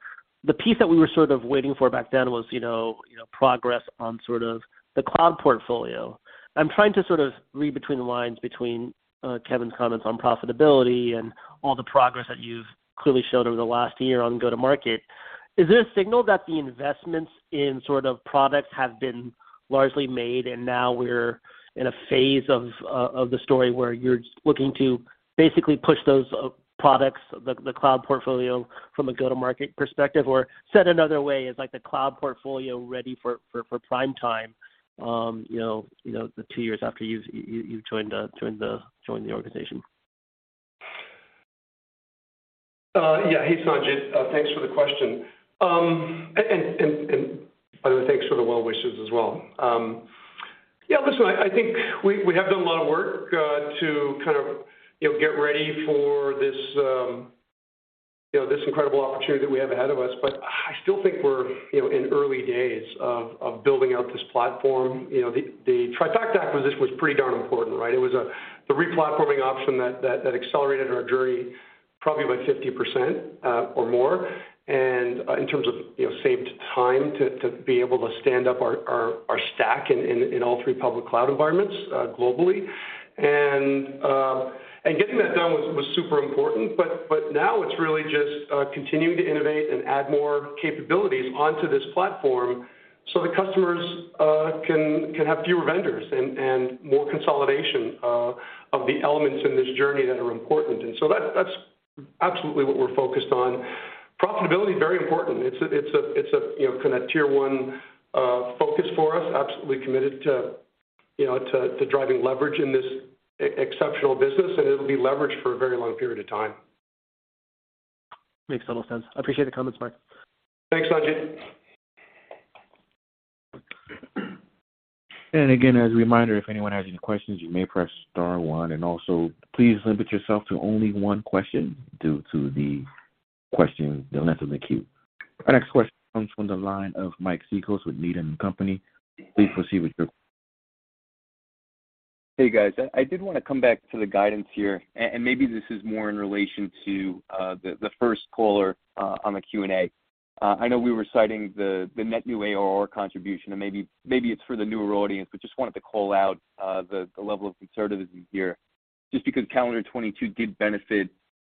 the piece that we were sort of waiting for back then was, you know, progress on sort of the cloud portfolio. I'm trying to sort of read between the lines between Kevin's comments on profitability and all the progress that you've clearly showed over the last year on go-to-market. Is this a signal that the investments in sort of products have been largely made and now we're in a phase of the story where you're looking to basically push those products, the cloud portfolio from a go-to-market perspective? Said another way, is like the cloud portfolio ready for prime time, you know, the two years after you've joined the organization? Hey, Sanjit, thanks for the question. And by the way, thanks for the well wishes as well. Listen, I think we have done a lot of work to get ready for this incredible opportunity that we have ahead of us. I still think we're in early days of building out this platform. The Trifacta acquisition was pretty darn important, right? It was a re-platforming option that accelerated our journey probably by 50%, or more, and in terms of saved time to be able to stand up our stack in all three public cloud environments globally. Getting that done was super important, but now it's really just continuing to innovate and add more capabilities onto this platform so the customers can have fewer vendors and more consolidation of the elements in this journey that are important. That's absolutely what we're focused on. Profitability, very important. It's a Tier 1 focus for us, absolutely committed to, you know, to driving leverage in this exceptional business, and it'll be leverage for a very long period of time. Makes total sense. I appreciate the comments, Mark. Thanks, Sanjit. As a reminder, if anyone has any questions, you may press star one. Also, please limit yourself to only one question due to the length of the queue. Our next question comes from the line of Mike Cikos with Needham & Company. Please proceed with your question. Hey guys, I did wanna come back to the guidance here, and maybe this is more in relation to the first caller on the Q&A. I know we were citing the net new ARR contribution, and maybe it's for the newer audience, but just wanted to call out the level of conservatism here just because calendar 2022 did benefit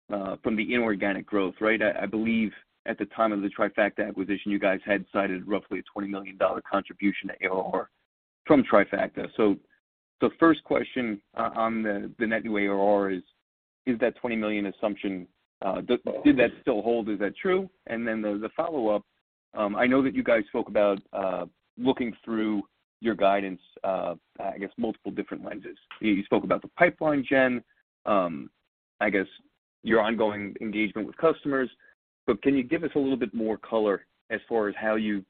from the inorganic growth, right? I believe at the time of the Trifacta acquisition, you guys had cited roughly a $20 million contribution to ARR from Trifacta. First question on the net new ARR is that $20 million assumption, did that still hold? Is that true? The follow-up, I know that you guys spoke about looking through your guidance, I guess, multiple different lenses. You spoke about the pipeline gen, I guess, your ongoing engagement with customers, but can you give us a little bit more color as far as how you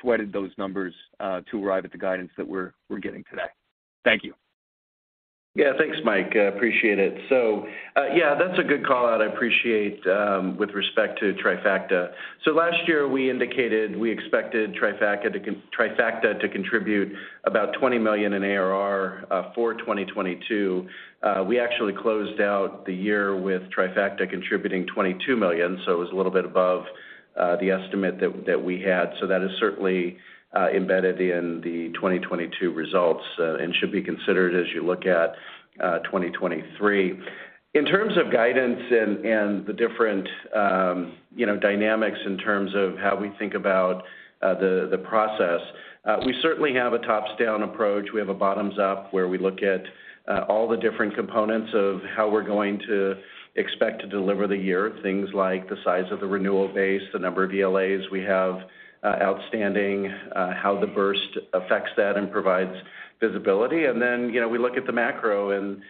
sweated those numbers, to arrive at the guidance that we're getting today? Thank you. Thanks, Mike. Appreciate it. That's a good call-out. I appreciate with respect to Trifacta. Last year, we indicated we expected Trifacta to contribute about $20 million in ARR for 2022. We actually closed out the year with Trifacta contributing $22 million, so it was a little bit above the estimate that we had. That is certainly embedded in the 2022 results and should be considered as you look at 2023. In terms of guidance and the different, you know, dynamics in terms of how we think about the process, we certainly have a tops-down approach. We have a bottoms-up where we look at all the different components of how we're going to expect to deliver the year, things like the size of the renewal base, the number of ELAs we have outstanding, how the burst affects that and provides visibility. Then, you know, we look at the macro and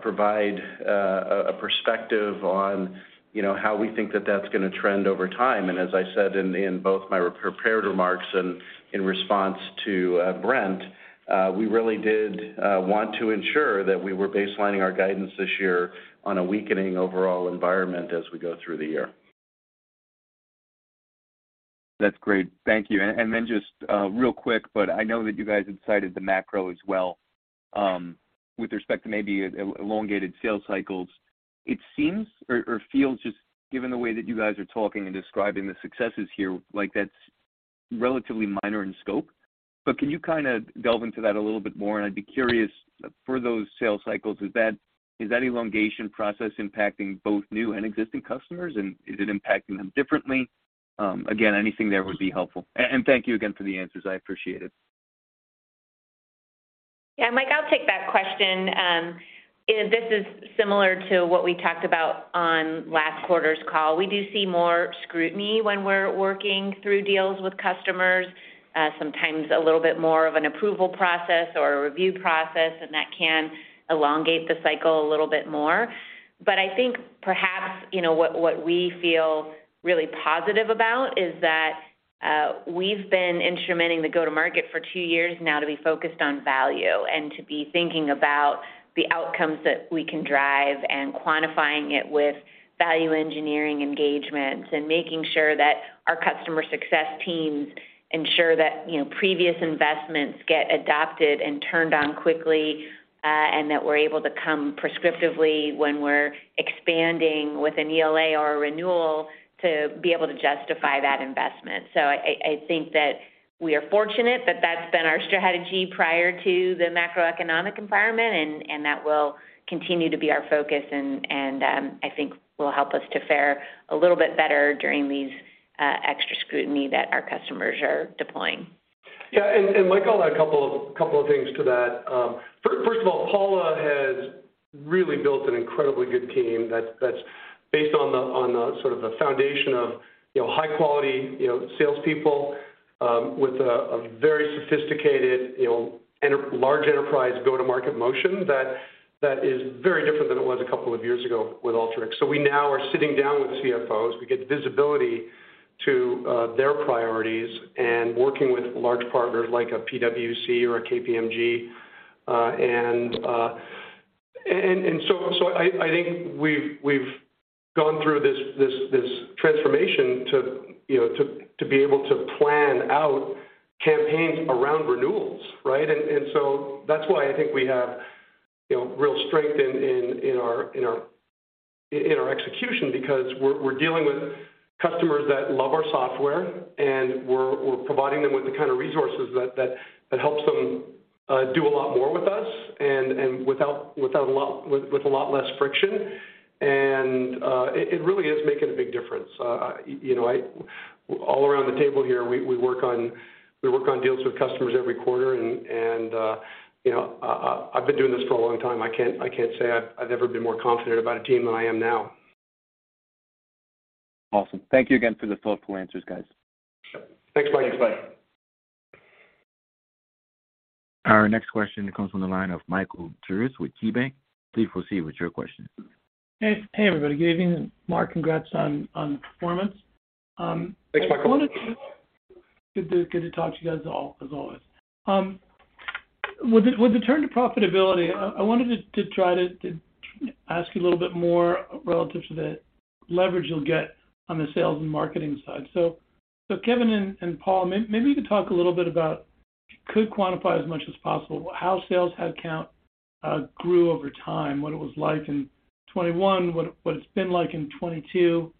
provide a perspective on, you know, how we think that that's gonna trend over time. As I said in both my prepared remarks and in response to Brent, we really did want to ensure that we were baselining our guidance this year on a weakening overall environment as we go through the year. That's great. Thank you. Then just, real quick, but I know that you guys had cited the macro as well, with respect to maybe elongated sales cycles. It seems or feels just given the way that you guys are talking and describing the successes here, like that's relatively minor in scope. Can you delve into that a little bit more? I'd be curious for those sales cycles, is that elongation process impacting both new and existing customers, and is it impacting them differently? Again, anything there would be helpful. Thank you again for the answers. I appreciate it. Mike, I'll take that question. This is similar to what we talked about on last quarter's call. We do see more scrutiny when we're working through deals with customers, sometimes a little bit more of an approval process or a review process, and that can elongate the cycle a little bit more. I think perhaps, you know, what we feel really positive about is that we've been instrumenting the go-to-market for two years now to be focused on value and to be thinking about the outcomes that we can drive and quantifying it with value engineering engagements and making sure that our customer success teams ensure that, you know, previous investments get adopted and turned on quickly, and that we're able to come prescriptively when we're expanding with an ELA or a renewal to be able to justify that investment. I think that we are fortunate that that's been our strategy prior to the macroeconomic environment, and that will continue to be our focus and I think will help us to fare a little bit better during these extra scrutiny that our customers are deploying. Mike, I'll add a couple of things to that. First of all, Paula has really built an incredibly good team that's based on the sort of the foundation of, you know, high-quality, you know, salespeople, with a very sophisticated, you know, large enterprise go-to-market motion that is very different than it was a couple of years ago with Alteryx. We now are sitting down with CFOs. We get visibility to their priorities and working with large partners like a PwC or a KPMG. I think we've gone through this transformation to, you know, to be able to plan out campaigns around renewals, right? That's why I think we have, you know, real strength in our execution because we're dealing with customers that love our software, and we're providing them with the kind of resources that helps them do a lot more with us and with a lot less friction. It really is making a big difference. You know, all around the table here, we work on deals with customers every quarter and, you know, I've been doing this for a long time. I can't say I've ever been more confident about a team than I am now. Awesome. Thank you again for the thoughtful answers, guys. Sure. Thanks, Mike. Bye. Our next question comes from the line of Michael Turits with KeyBanc. Please proceed with your question. Hey, everybody. Good evening. Mark, congrats on the performance. Thanks, Michael. I wanted to. Good to talk to you guys all as always. With the turn to profitability, I wanted to try to ask you a little bit more relative to the leverage you'll get on the sales and marketing side. Kevin Rubin and Paula Hansen, maybe you could talk a little bit about, if you could quantify as much as possible, how sales head count grew over time, what it was like in 2021, what it's been like in 2022,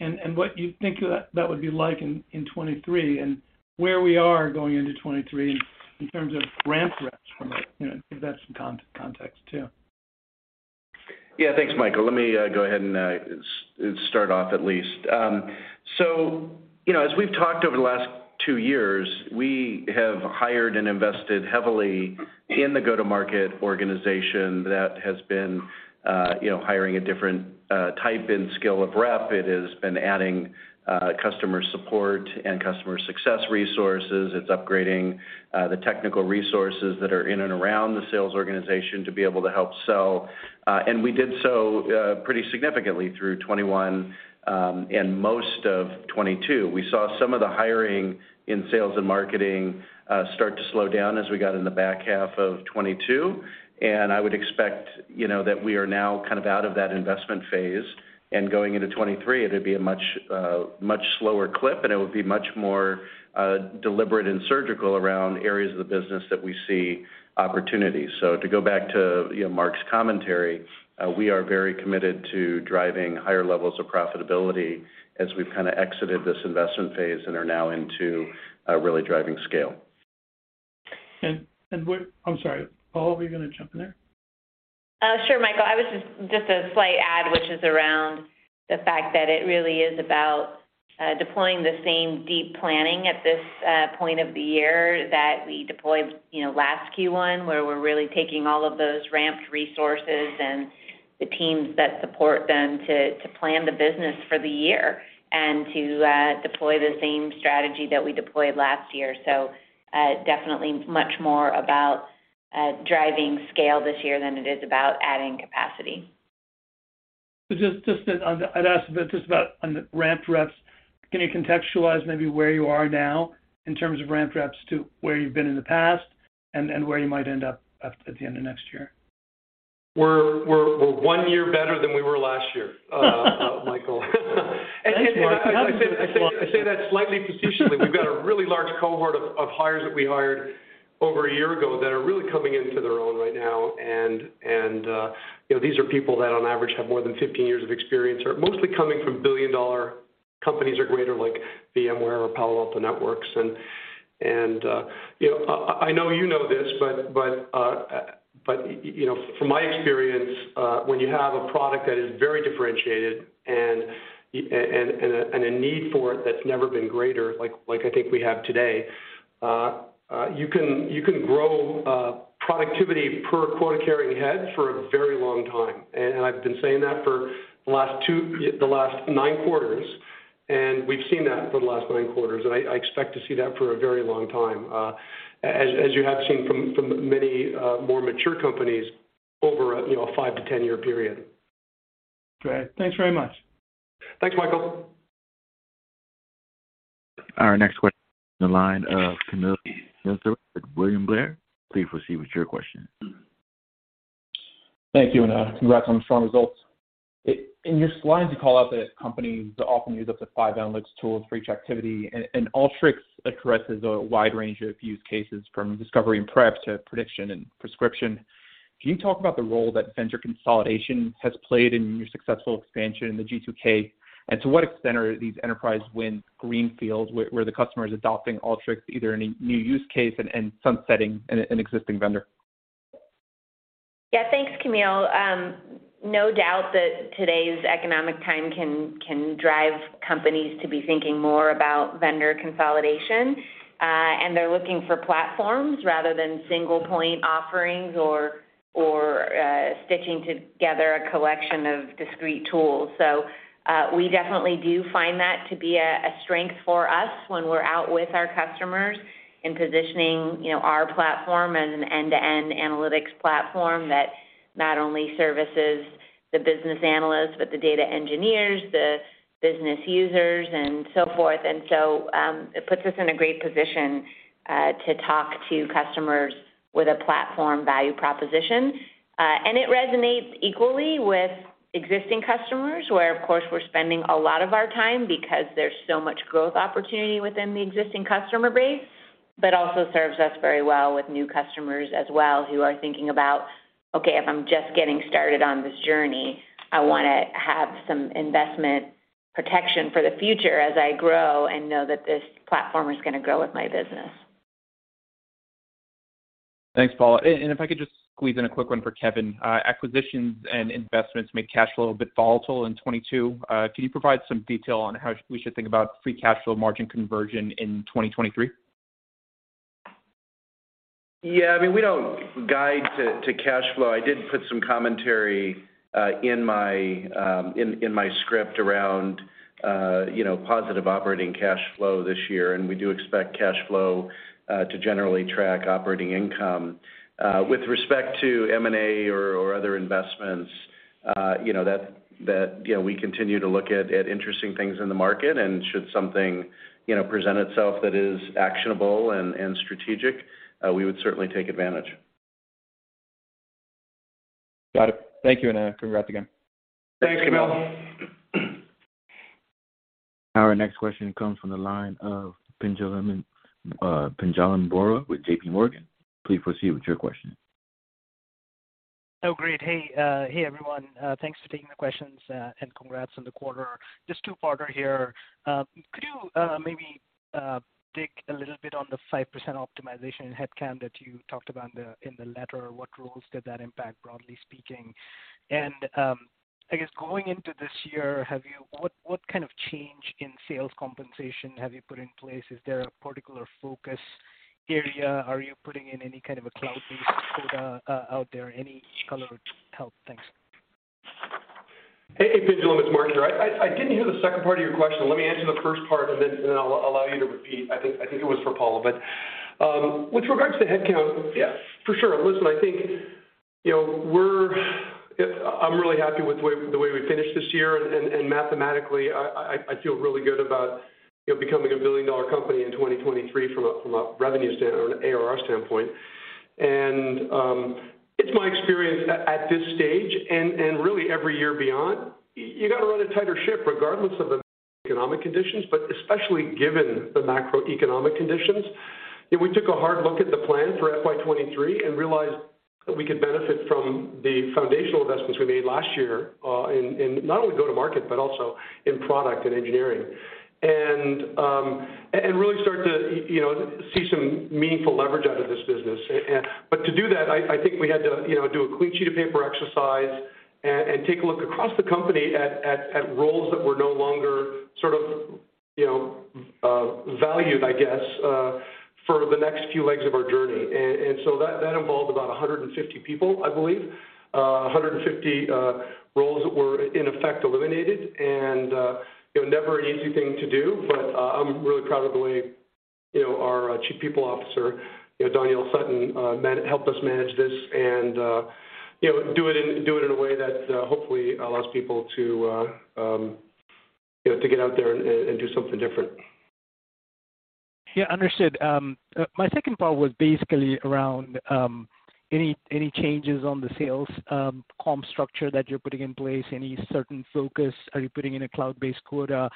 and what you think that would be like in 2023, and where we are going into 2023 in terms of ramp reps from it, you know, give that some context too. Thanks, Michael. Let me go ahead and start off at least. You know, as we've talked over the last two years, we have hired and invested heavily in the go-to-market organization that has been, you know, hiring a different type and skill of rep. It has been adding customer support and customer success resources. It's upgrading the technical resources that are in and around the sales organization to be able to help sell. We did so pretty significantly through 2021 and most of 2022. We saw some of the hiring in sales and marketing start to slow down as we got in the back half of 2022. I would expect, you know, that we are now kind of out of that investment phase, going into 2023, it'll be a much, much slower clip, and it would be much more deliberate and surgical around areas of the business that we see opportunities. To go back to, you know, Mark's commentary, we are very committed to driving higher levels of profitability as we've kind of exited this investment phase and are now into really driving scale. I'm sorry, Paula, were you gonna jump in there? Sure, Michael. I was just a slight add, which is around the fact that it really is about deploying the same deep planning at this point of the year that we deployed, you know, last Q1, where we're really taking all of those ramped resources and the teams that support them to plan the business for the year and to deploy the same strategy that we deployed last year. Definitely much more about driving scale this year than it is about adding capacity. Just, I'd ask just about on the ramp reps, can you contextualize maybe where you are now in terms of ramp reps to where you've been in the past and where you might end up at the end of next year? We're one year better than we were last year, Michael. Thanks, Mark. I say that slightly facetiously. We've got a really large cohort of hires that we hired over a year ago that are really coming into their own right now. You know, these are people that on average have more than 15 years of experience, are mostly coming from billion-dollar companies or greater like VMware or Palo Alto Networks. You know, I know you know this, but, you know, from my experience, when you have a product that is very differentiated and a need for it that's never been greater, like I think we have today, you can grow productivity per quota-carrying head for a very long time. I've been saying that for the last 9 quarters, and we've seen that for the last 9 quarters. I expect to see that for a very long time, as you have seen from many, more mature companies over a, you know, 5 to 10-year period. Great. Thanks very much. Thanks, Michael. Our next question comes from the line of Kamil Mielczarek with William Blair. Please proceed with your question. Thank you. Congrats on the strong results. In your slides, you call out that companies often use up to five analytics tools for each activity, and Alteryx addresses a wide range of use cases from discovery and prep to prediction and prescription. Can you talk about the role that vendor consolidation has played in your successful expansion in the G2K? To what extent are these enterprise wins greenfields where the customer is adopting Alteryx either in a new use case and sunsetting an existing vendor? Yeah. Thanks, Kamil. No doubt that today's economic time can drive companies to be thinking more about vendor consolidation, and they're looking for platforms rather than single point offerings or stitching together a collection of discrete tools. We definitely do find that to be a strength for us when we're out with our customers in positioning, you know, our platform and an end-to-end analytics platform that not only services the business analysts, but the data engineers, the business users, and so forth. It puts us in a great position to talk to customers with a platform value proposition. It resonates equally with existing customers, where, of course, we're spending a lot of our time because there's so much growth opportunity within the existing customer base, but also serves us very well with new customers as well, who are thinking about, "Okay, if I'm just getting started on this journey, I wanna have some investment protection for the future as I grow and know that this platform is gonna grow with my business. Thanks, Paula. If I could just squeeze in a quick one for Kevin. Acquisitions and investments made cash flow a bit volatile in 2022. Can you provide some detail on how we should think about free cash flow margin conversion in 2023? Yeah. I mean, we don't guide to cash flow. I did put some commentary in my script around, you know, positive operating cash flow this year, and we do expect cash flow to generally track operating income. With respect to M&A or other investments, you know, that, you know, we continue to look at interesting things in the market, and should something, you know, present itself that is actionable and strategic, we would certainly take advantage. Got it. Thank you. Congrats again. Thanks, Kamil. Our next question comes from the line of Pinjalim Bora with JPMorgan. Please proceed with your question. Hey, everyone. Thanks for taking the questions and congrats on the quarter. Just two-parter here. Could you maybe dig a little bit on the 5% optimization in headcount that you talked about in the letter? What roles did that impact, broadly speaking? I guess going into this year, what kind of change in sales compensation have you put in place? Is there a particular focus area? Are you putting in any kind of a cloud-based quota out there? Any color would help. Thanks. Hey, Pinjal. It's Mark here. I didn't hear the second part of your question. Let me answer the first part, and then I'll allow you to repeat. I think it was for Paula. With regards to headcount, yeah, for sure. Listen, I think, you know, we're. I'm really happy with the way we finished this year and mathematically, I feel really good about, you know, becoming a billion-dollar company in 2023 from a revenue stand or an ARR standpoint. It's my experience at this stage and really every year beyond, you gotta run a tighter ship regardless of the economic conditions, but especially given the macroeconomic conditions. We took a hard look at the plan for FY '23 and realized that we could benefit from the foundational investments we made last year, in not only go-to-market but also in product and engineering. Really start to, you know, see some meaningful leverage out of this business. To do that, I think we had to, you know, do a clean sheet of paper exercise and take a look across the company at roles that were no longer sort of, you know, valued, I guess, for the next few legs of our journey. So that involved about 150 people, I believe. 150 roles that were in effect eliminated. Never an easy thing to do, but I'm really proud of the way our Chief People Officer, Doniel Sutton helped us manage this and do it in a way that hopefully allows people to, you know, to get out there and do something different. Understood. My second part was basically around any changes on the sales comp structure that you're putting in place, any certain focus? Are you putting in a cloud-based quota?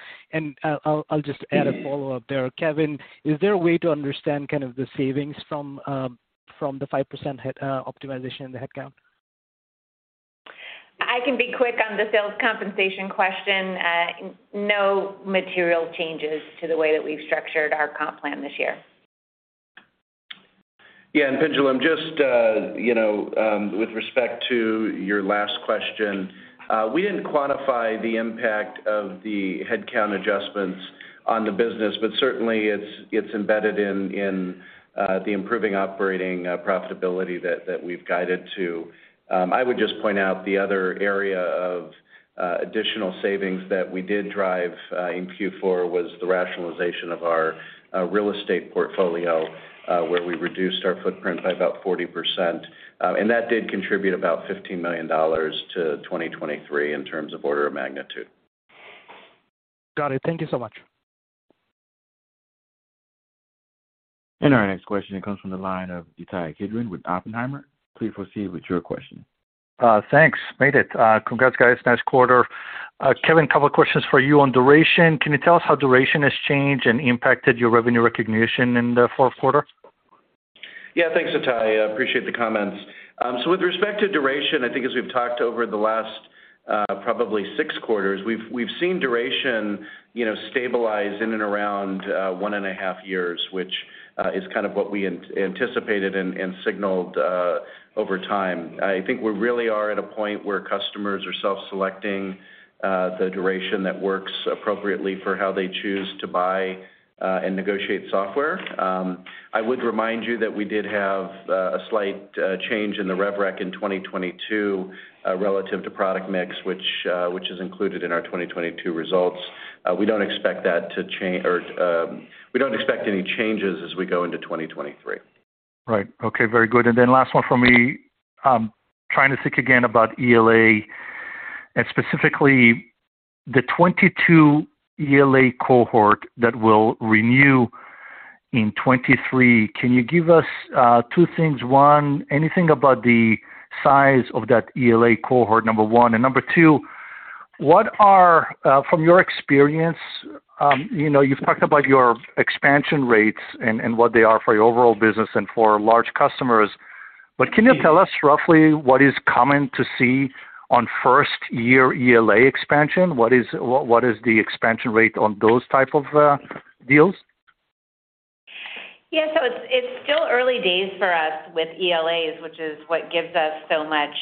I'll just add a follow-up there. Kevin, is there a way to understand the savings from the 5% head optimization in the headcount? I can be quick on the sales compensation question. No material changes to the way that we've structured our comp plan this year. Pinjal, and just with respect to your last question, we didn't quantify the impact of the headcount adjustments on the business, but certainly it's embedded in the improving operating profitability that we've guided to. I would just point out the other area of, additional savings that we did drive, in Q4 was the rationalization of our, real estate portfolio, where we reduced our footprint by about 40%. That did contribute about $15 million to 2023 in terms of order of magnitude. Got it. Thank you so much. Our next question comes from the line of Ittai Kidron with Oppenheimer. Please proceed with your question. Thanks. Made it. Congrats, guys. Nice quarter. Kevin, couple of questions for you on duration. Can you tell us how duration has changed and impacted your revenue recognition in the fourth quarter? Thanks, Ittai. I appreciate the comments. With respect to duration, I think as we've talked over the last, probably 6 quarters, we've seen duration stabilize in and around 1.5 years, which is kind of what we anticipated and signaled over time. I think we really are at a point where customers are self-selecting the duration that works appropriately for how they choose to buy and negotiate software. I would remind you that we did have a slight change in the rev rec in 2022 relative to product mix, which is included in our 2022 results. We don't expect that or we don't expect any changes as we go into 2023. Very good. Last one for me. Trying to think again about ELA and specifically the 2022 ELA cohort that will renew in 2023. Can you give us two things? One, anything about the size of that ELA cohort, number one. Number two, what are, from your experience, you know, you've talked about your expansion rates and what they are for your overall business and for large customers. Can you tell us roughly what is common to see on first year ELA expansion? What is the expansion rate on those type of deals? It's still early days for us with ELAs, which is what gives us so much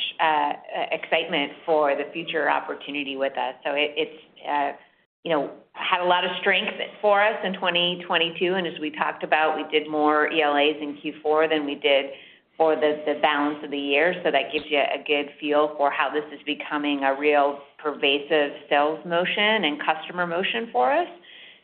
excitement for the future opportunity with us. It had a lot of strength for us in 2022, and as we talked about, we did more ELAs in Q4 than we did for the balance of the year. That gives you a good feel for how this is becoming a real pervasive sales motion and customer motion for us.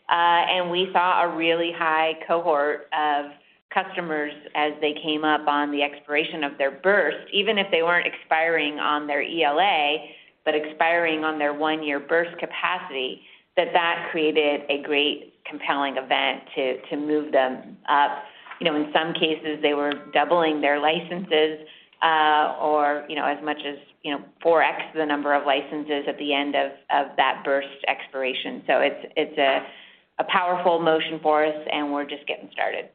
And we saw a really high cohort of customers as they came up on the expiration of their burst, even if they weren't expiring on their ELA, but expiring on their one-year burst capacity, that created a great compelling event to move them up. In some cases, they were doubling their licenses, or as much as 4x the number of licenses at the end of that burst expiration. It's a powerful motion for us, and we're just getting started.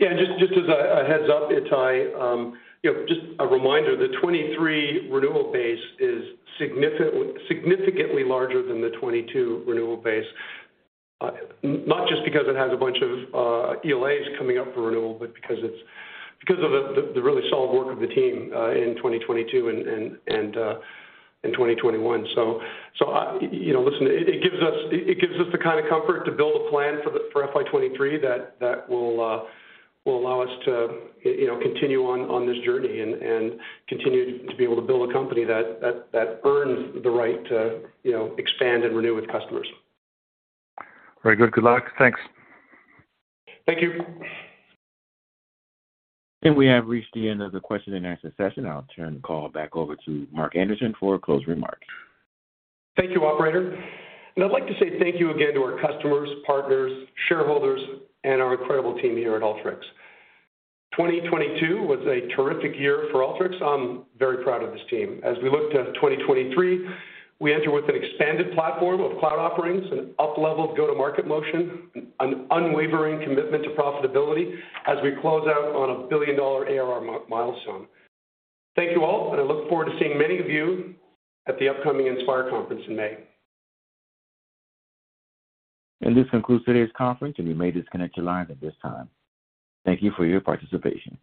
Just as a heads-up, Ittai, just a reminder, the 2023 renewal base is significantly larger than the 2022 renewal base, not just because it has a bunch of ELAs coming up for renewal, but because of the really solid work of the team in 2022 and in 2021. Listen, it gives us the comfort to build a plan for FY 2023 that will allow us to, you know, continue on this journey and continue to be able to build a company that earns the right to expand and renew with customers. Very good. Good luck. Thanks. Thank you. We have reached the end of the question-and-answer session. I'll turn the call back over to Mark Anderson for closing remarks. Thank you, operator. I'd like to say thank you again to our customers, partners, shareholders, and our incredible team here at Alteryx. 2022 was a terrific year for Alteryx. I'm very proud of this team. As we look to 2023, we enter with an expanded platform of cloud offerings, an up-leveled go-to-market motion, an unwavering commitment to profitability as we close out on a $1 billion ARR milestone. Thank you all, and I look forward to seeing many of you at the upcoming Inspire Conference in May. This concludes today's conference, and you may disconnect your lines at this time. Thank you for your participation.